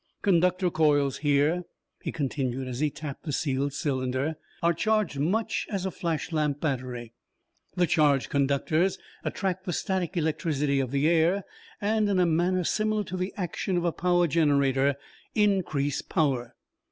"Conductor coils here," he continued as he tapped the sealed cylinder, "are charged much as a flash lamp battery. The charged conductors attract the static electricity of the air, and, in a manner similar to the action of the power generator, increase power.